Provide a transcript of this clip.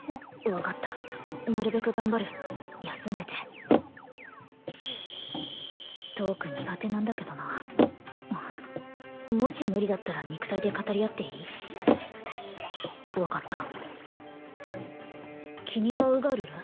分かったなるべく頑張る休んでてトーク苦手なんだけどなもし無理だったら肉体で語り合っていい？なるべく回避せいあっクラッとした分かった君がウガルル？